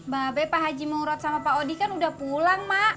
babe pak haji murod sama pak odi kan udah pulang mak